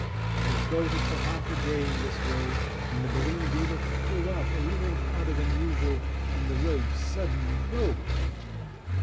They had floated for half a day in this way, when the balloon gave a pull up, a little harder than usual, and the rope suddenly broke!